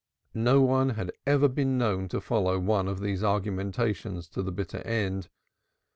No one had ever been known to follow one of these argumentations to the bitter end.